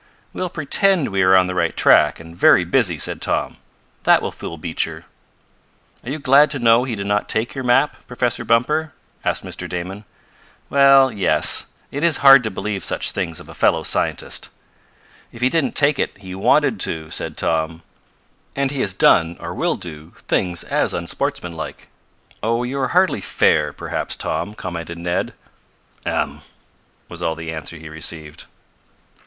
"We'll pretend we are on the right track, and very busy," said Tom. "That will fool Beecher." "Are you glad to know he did not take your map Professor Bumper?" asked Mr. Damon. "Well, yes. It is hard to believe such things of a fellow scientist." "If he didn't take it he wanted to," said Tom. "And he has done, or will do, things as unsportsmanlike." "Oh, you are hardly fair, perhaps, Tom," commented Ned. "Um!" was all the answer he received.